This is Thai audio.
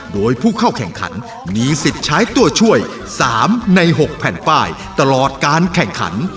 โดยผู้เข้าแข่งขันมีสิทธิ์ใช้ตัวช่วย๓ใน๖แผ่นป้ายตลอดการแข่งขัน